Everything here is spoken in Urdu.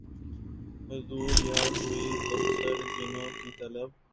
حضور یار ہوئی دفتر جنوں کی طلب